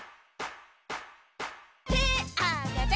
てあげて。